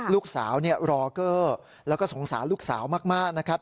ลูกสาวรอเกอร์แล้วก็สงสารลูกสาวมากนะครับ